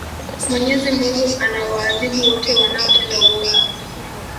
mwenyezi mungu anawaadhibu wote wanaotenda uovu